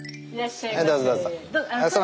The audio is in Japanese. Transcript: はいどうぞどうぞ。